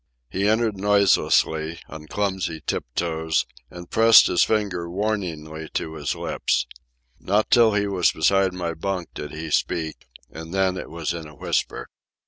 He entered noiselessly, on clumsy tiptoes, and pressed his finger warningly to his lips. Not until he was beside my bunk did he speak, and then it was in a whisper.